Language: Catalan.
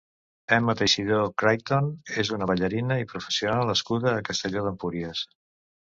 Emma Teixidor Creighton és una ballarina i professora nascuda a Castelló d'Empúries.